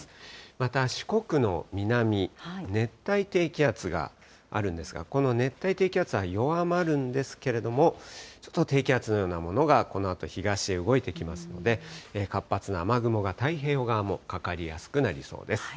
また、四国の南、熱帯低気圧があるんですが、この熱帯低気圧は弱まるんですけれども、１つ低気圧のようなものが、このあと東へ動いてきますので、活発な雨雲が太平洋側もかかりやすくなりそうです。